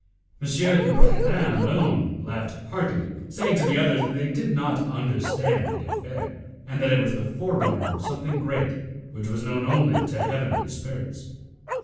M. de Bragadin alone laughed heartily, saying to the others that they did not understand the affair, and that it was the forerunner of something great which was known only to heavenly spirits.